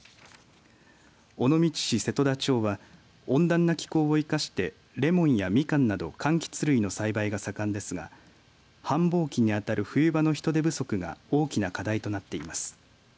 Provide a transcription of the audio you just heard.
尾道市瀬戸田町は温暖な気候を生かしてレモンやみかんなどかんきつ類の栽培が盛んですが繁忙期にあたる冬場の人手不足が大きな課題となっています。